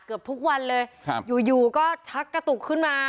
เกือบทุกวันเลยครับอยู่อยู่ก็ชักกระตุกขึ้นมา